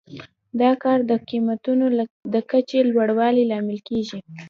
دا کار د قیمتونو د کچې د لوړوالي لامل کیږي.